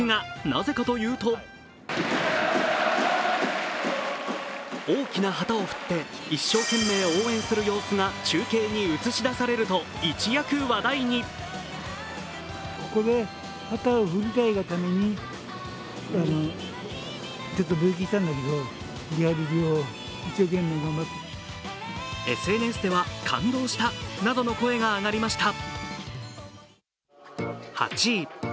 なぜかというと大きな旗を振って一生懸命応援する様子が中継に映し出されると、一躍話題にＳＮＳでは、感動したなどの声があがりました。